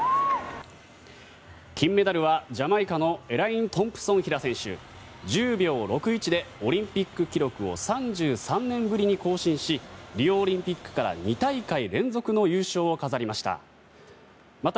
金メダルはジャマイカのエレイン・トンプソン・ヒラ選手１０秒６１でオリンピック記録を３３年ぶりに更新し、リオオリンピックから２大会連続の優勝を飾りました。